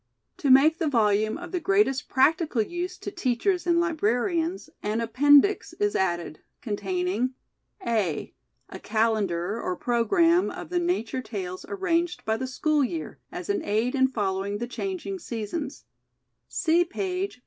To make the volume of the greatest practical use to teachers and librarians, an Appendix is added, containing :— (a) A Calendar — or Programme — of the na ture tales arranged by the school year, as an aid in following the changing seasons — see page 446.